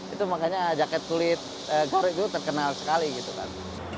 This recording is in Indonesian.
itu makanya jaket kulit goreng itu terkenal sekali gitu kan